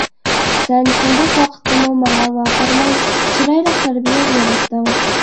سەن شۇنداق ۋاقىتتىمۇ ماڭا ۋارقىرىماي چىرايلىق تەربىيە بېرەتتىڭ.